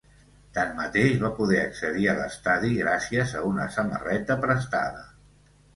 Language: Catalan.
Tanmateix, va poder accedir a l’estadi gràcies a una samarreta prestada.